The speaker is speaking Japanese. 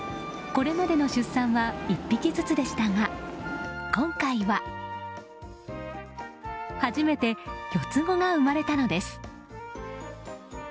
これまでの出産は１匹ずつでしたが今回は、初めて４つ子が生まれたのです。